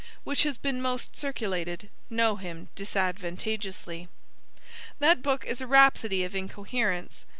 which has been most circulated know him disadvantageously. That book is a rhapsody of incoherence.